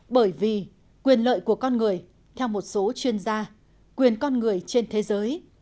bởi vì quyền lợi của con người theo một số chuyên gia quyền con người trên thế giới